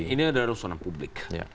ini adalah urusan publik